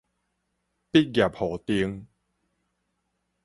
畢業戶橂